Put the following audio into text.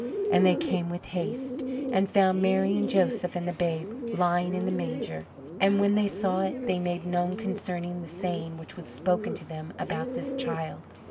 And they came with haste, and found Mary and Joseph and the babe lying in the manger. And when they saw it, they made known concerning the saying which was spoken to them about this child.